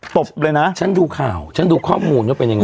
บเลยนะฉันดูข่าวฉันดูข้อมูลว่าเป็นยังไง